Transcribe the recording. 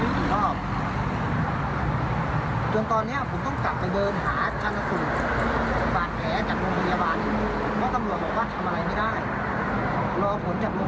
คุ้มคลอมแบบนี้ร้ายร่างกายมากคุณกำจับไม่อยากให้เป็นคดีความ